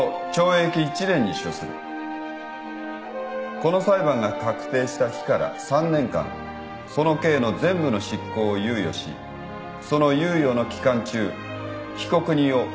この裁判が確定した日から３年間その刑の全部の執行を猶予しその猶予の期間中被告人を保護観察に付する。